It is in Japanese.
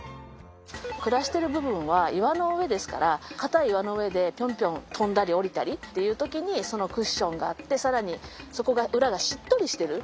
暮らしている部分は岩の上ですから固い岩の上でピョンピョン跳んだり下りたりっていう時にそのクッションがあって更にそこが裏がしっとりしてる。